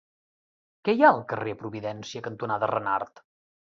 Què hi ha al carrer Providència cantonada Renart?